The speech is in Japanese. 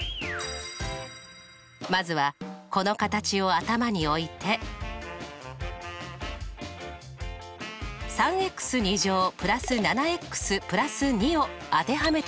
まずはこの形を頭に置いて３＋７＋２を当てはめてみましょう。